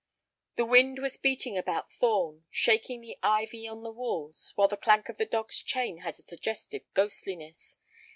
The wind was beating about Thorn, shaking the ivy on the walls, while the clank of the dog's chain had a suggestive ghostliness.